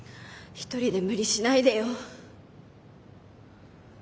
一人で無理しないでよ。